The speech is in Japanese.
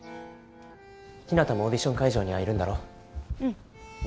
ひなたもオーディション会場にはいるんだろ？